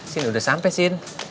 sin udah sampe sin